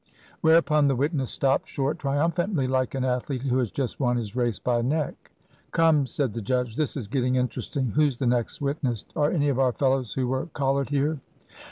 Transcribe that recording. Whereupon the witness stopped short triumphantly, like an athlete who has just won his race by a neck. "Come," said the judge, "this is getting interesting. Who's the next witness? Are any of our fellows who were collared here?"